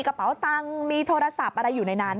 กระเป๋าตังค์มีโทรศัพท์อะไรอยู่ในนั้น